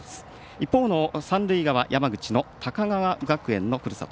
一方の三塁側山口の高川学園のふるさと。